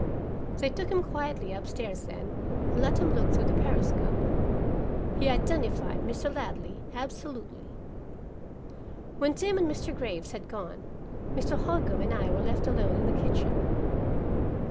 They took him quietly up stairs then and let him look through the periscope. He identified Mr. Ladley absolutely. When Tim and Mr. Graves had gone, Mr. Holcombe and I were left alone in the kitchen.